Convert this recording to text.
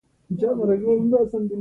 فلم له ښو کارونو سره مینه پیدا کوي